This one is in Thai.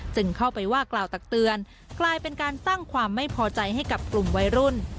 เข้าไปว่ากล่าวตักเตือนกลายเป็นการสร้างความไม่พอใจให้กับกลุ่มวัยรุ่น